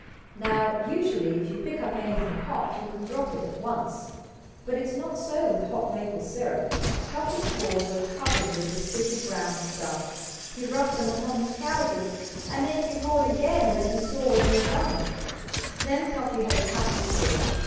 Now, usually if you pick up anything hot you can drop it at once. But it is not so with hot maple syrup. Cuffy's paws were covered with the sticky brown stuff. He rubbed them upon his trousers, and he roared again when he saw what he had done. Then Cuffy had a happy thought.